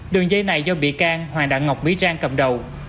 đường dây này do bị can hoàng đạn ngọc mỹ rang cầm đầu